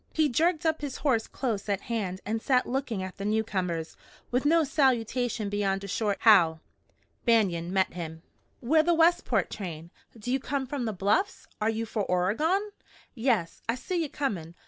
He jerked up his horse close at hand and sat looking at the newcomers, with no salutation beyond a short "How!" Banion met him. "We're the Westport train. Do you come from the Bluffs? Are you for Oregon?" "Yes. I seen ye comin'.